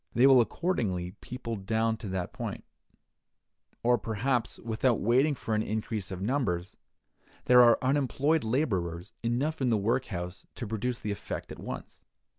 They will accordingly people down to that point; or, perhaps, without waiting for an increase of numbers, there are unemployed laborers enough in the workhouse to produce the effect at once.